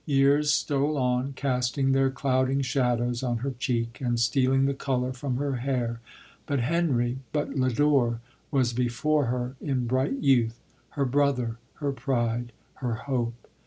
Years stole on, casting their clouding shadows on her cheek, and steal ing the colour from her hair, but Henry, but Lodore, was before her in bright youth — her brother — her pride— her hope.